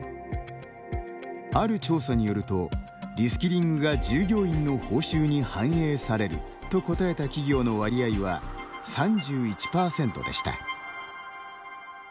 ある調査によると「リスキリングが従業員の報酬に反映される」と答えた企業の割合は３１％でした。